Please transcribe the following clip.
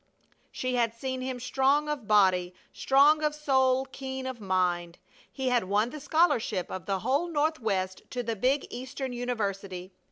She had seen him strong of body, strong of soul, keen of mind. He had won the scholarship of the whole Northwest to the big Eastern university.